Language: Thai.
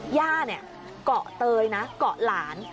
ย่าเนี่ยเกาะเตยนะเกาะหลาน